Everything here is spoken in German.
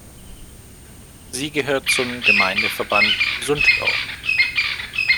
Sie gehört zum Gemeindeverband Sundgau.